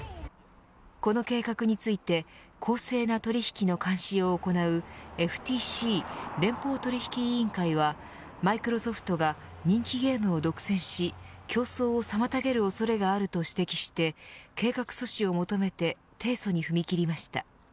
この計画について公正な取引の監視を行うＦＴＣ連邦取引委員会はマイクロソフトが人気ゲームを独占し競争を妨げる恐れがあると指摘して計画阻止を求めて提訴に踏み切りました。